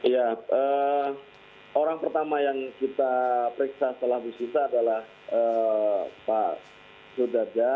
ya orang pertama yang kita periksa setelah disita adalah pak sudarja